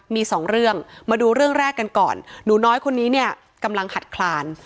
มีสองเรื่องมาดูเรื่องแรกกันก่อนหนูน้อยคนนี้เนี่ยกำลังขัดคลาน